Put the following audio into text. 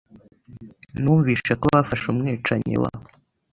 Numvise ko bafashe umwicanyi wa .